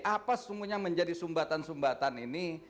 apa sesungguhnya menjadi sumbatan sumbatan ini